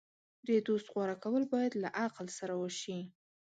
د دوست غوره کول باید له عقل سره وشي.